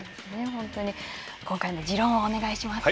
本当に、今回の自論をお願いします。